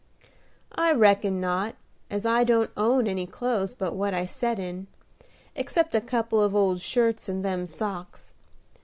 "I reckon not as I don't own any clothes but what I set in, except a couple of old shirts and them socks.